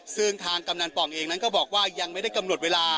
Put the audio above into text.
ซึ่งทางกำนันป่องเองนั้นก็บอกว่ายังไม่ได้กำหนดเวลา